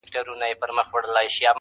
ويل كشكي ته پيدا نه واى له موره -